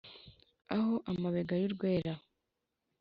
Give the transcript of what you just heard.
aho amabega y’urwera